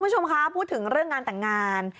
คุณผู้ชมคะพูดถึงเรื่องงานแต่งงาน